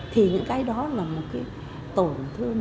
thì những cái đó là một cái tổn thương